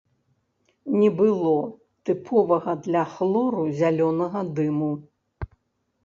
Не было тыповага для хлору зялёнага дыму.